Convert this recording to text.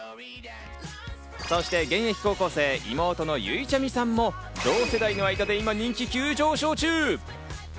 そして現役高校生、妹のゆいちゃみさんも同世代の間で今、人気急上昇中！